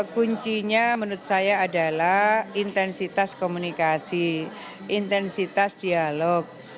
kuncinya menurut saya adalah intensitas komunikasi intensitas dialog